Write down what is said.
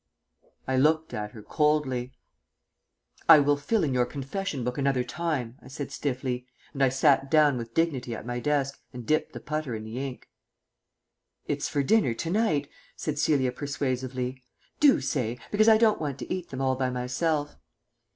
I looked at her coldly. "I will fill in your confession book another time," I said stiffly, and I sat down with dignity at my desk and dipped the putter in the ink. "It's for dinner to night," said Celia persuasively. "Do say. Because I don't want to eat them all by myself."